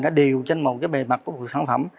nó điều trên một cái bề mặt của sản phẩm